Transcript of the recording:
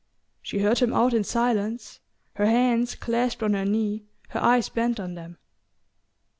She heard him out in silence, her hands clasped on her knee, her eyes bent on them.